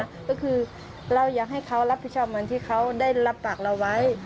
ก็คือเราอยากให้เขารับผิดชอบเหมือนที่เขาได้รับปากเราไว้